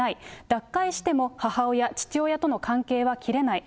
脱会しても、母親、父親との関係は切れない。